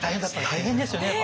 大変ですよねやっぱ。